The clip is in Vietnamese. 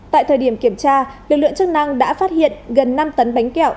tại thời điểm kiểm tra lực lượng chức năng đã phát hiện gần năm tấn bánh kẹo